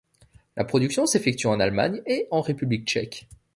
La production s'effectue en Allemagne et en République tchèque.